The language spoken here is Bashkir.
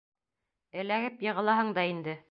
Эләгеп йығылаһың да инде.